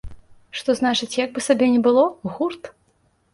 Што значыць, як бы сабе ні было, гурт!